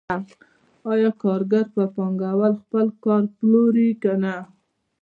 آیا کارګر په پانګوال خپل کار پلوري که نه